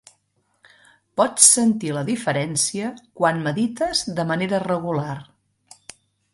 Pots sentir la diferència quan medites de manera regular.